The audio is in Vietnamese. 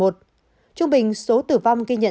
trung bình số tử vong ghi nhận